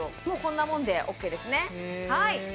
もうこんなもんでＯＫですねはい